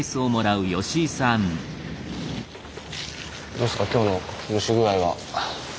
どうっすか今日の蒸し具合は。